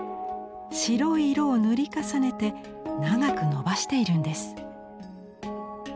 白い色を塗り重ねて長くのばしているんです。